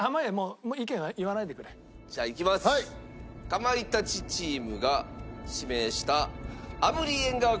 かまいたちチームが指名した炙りえんがわ